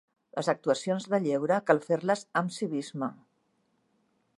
Les actuacions de lleure cal fer-les amb civisme.